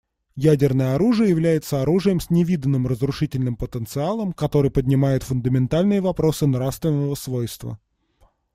Ядерное оружие является оружием с невиданным разрушительным потенциалом, который поднимает фундаментальные вопросы нравственного свойства.